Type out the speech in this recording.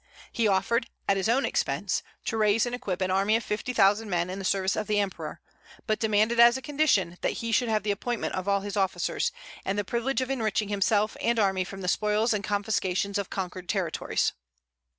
He offered, at his own expense, to raise and equip an army of fifty thousand men in the service of the Emperor; but demanded as a condition, that he should have the appointment of all his officers, and the privilege of enriching himself and army from the spoils and confiscations of conquered territories.